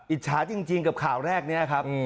อิจฉาจริงกับข่าวแรกนี้ครับ